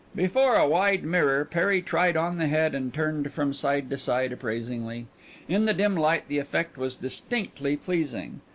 Before a wide mirror Perry tried on the head and turned from side to side appraisingly. In the dim light the effect was distinctly pleasing.